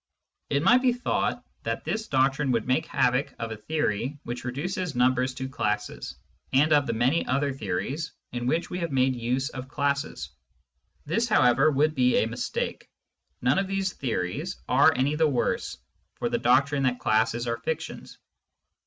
It might be thought that this doctrine wovdd make havoc of a theory which reduces numbers to classes, and of the many other theories in which we have made use of classes. This, however, would be a mistake : none of these theories Digitized by Google 2o6 SCIENTIFIC METHOD IN PHILOSOPHY are any the worse for the doctrine that classes are fictions.